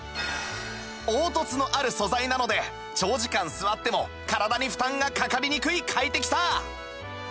凹凸のある素材なので長時間座っても体に負担がかかりにくい快適さ